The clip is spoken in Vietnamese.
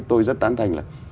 tôi rất tán thanh là